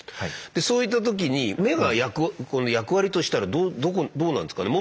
でそういった時に目がこの役割としたらどこどうなんですかね。